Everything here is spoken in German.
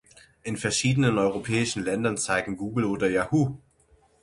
In verschiedenen europäischen Ländern zeigen Google oder Yahoo!